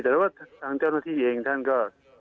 แต่ว่าทางเจ้าหน้าที่เองท่านก็